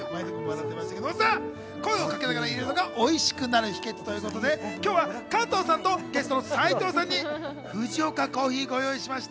声をかけながらいれるのが美味しくなる秘訣ということで、今日は加藤さんとゲストの斉藤さんに「藤岡、珈琲」ご用意しました。